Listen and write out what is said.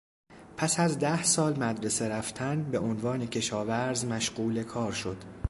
پس از ده سال مدرسه رفتن به عنوان کشاورز مشغول کار شد.